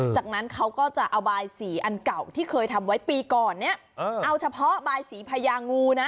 จากนั้นเขาก็จะเอาบายสีอันเก่าที่เคยทำไว้ปีก่อนเนี่ยเอาเฉพาะบายสีพญางูนะ